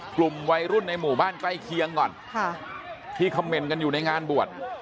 กลุ่มวัยรุ่นในหมู่บ้านใกล้เคียงก่อนที่คำเมนต์กันอยู่ในงานบวช